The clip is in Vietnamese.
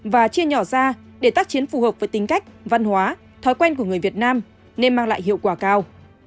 và chia nhỏ ra để tác chiến phù hợp với tính cách văn hóa thói quen của người việt nam nên mang lại hiệu quả cao